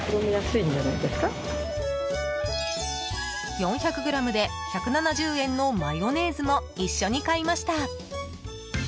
４００ｇで１７０円のマヨネーズも一緒に買いました。